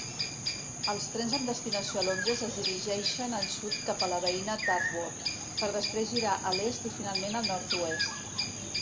Els trens amb destinació a Londres es dirigeixen al sud cap a la veïna Tadworth, per després girar a l'est i finalment al nord-est.